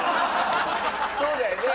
そうだよね。